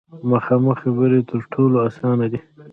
مخامخ خبرې تر ټولو اسانه دي.